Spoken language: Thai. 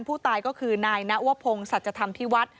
ผู้ตายก็คือนายน้าอุวพงศัษยธรรมที่วัด